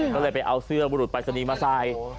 ก็เลยไปเอาเสื้อบุรุษปรายศนีย์มาใส่